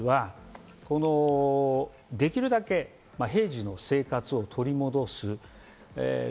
できるだけ平時の生活を取り戻すこと。